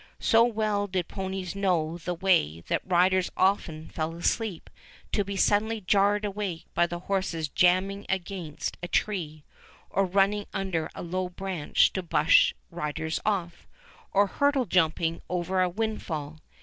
So well did ponies know the way that riders often fell asleep, to be suddenly jarred awake by the horses jamming against a tree, or running under a low branch to brush riders off, or hurdle jumping over windfall.